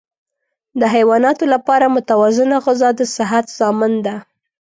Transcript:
د حیواناتو لپاره متوازنه غذا د صحت ضامن ده.